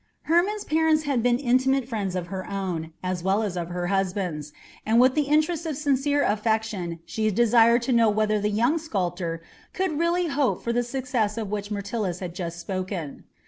Hermon's parents had been intimate friends of her own, as well as of her husband's, and with the interest of sincere affection she desired to know whether the young sculptor could really hope for the success of which Myrtilus had just spoken.